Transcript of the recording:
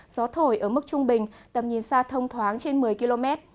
gió thổi ở mức trung bình tầm nhìn xa thông thoáng trên một mươi km